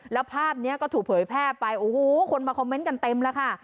แล้วภาพนี้ก็ถูกเผยแพร่ไปโอ้โหคนมาคอมเมนต์กันเต็มแล้วค่ะ